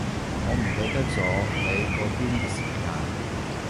我唔記得咗你嗰邊嘅時間